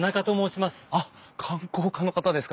あっ観光課の方ですか。